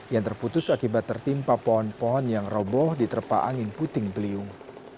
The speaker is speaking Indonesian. yang terputus akibat tertimpa pohon pohon yang roboh diterpa angin puting beliung